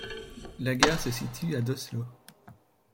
La gare se situe à d'Oslo.